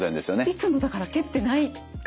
いつもだから蹴ってないかも。